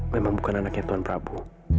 memang bukan anaknya tuan prabowo